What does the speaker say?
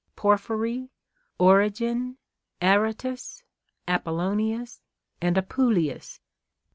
Porphyry, Origen, Aratus, ApoUonius, and Apuleius.